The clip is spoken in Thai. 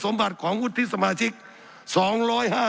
สับขาหลอกกันไปสับขาหลอกกันไป